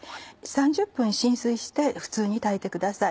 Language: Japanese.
３０分浸水して普通に炊いてください。